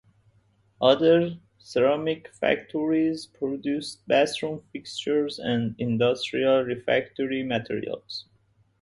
Other ceramic factories produced bathroom fixtures and industrial refractory materials.